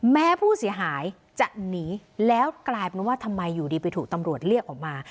แม้ผู้เสียหายจะหนีแล้วกลายเป็นว่าทำไมอยู่ดีไปถูกตำรวจเรียกออกมา